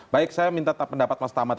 baik saya minta pendapat mas tamad